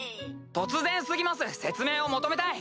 突然過ぎます説明を求めたい！